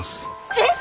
えっ！？